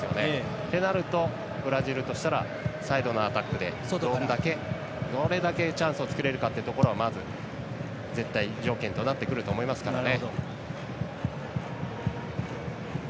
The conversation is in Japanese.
ってなるとブラジルとしたらサイドのアタックでどれだけチャンスを作れるかというところが絶対要件となってくると思いますからね。